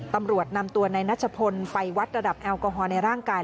ตำรวจนำตัวนายนัชพลไปวัดระดับแอลกอฮอลในร่างกาย